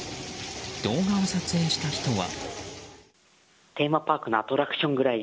動画を撮影した人は。